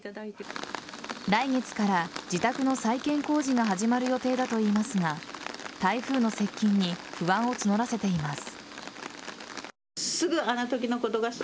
来月から自宅の再建工事が始まる予定だといいますが台風の接近に不安を募らせています。